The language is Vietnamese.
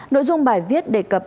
nội dung bài viết đề cập